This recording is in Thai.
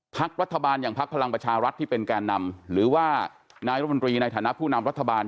พักรัฐบาลอย่างพักพลังประชารัฐที่เป็นแก่นำหรือว่านายรมนตรีในฐานะผู้นำรัฐบาล